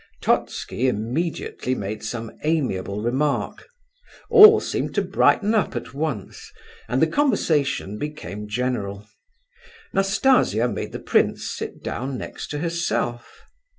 Totski immediately made some amiable remark. All seemed to brighten up at once, and the conversation became general. Nastasia made the prince sit down next to herself.